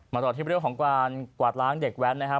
ต่อที่เรื่องของการกวาดล้างเด็กแว้นนะครับ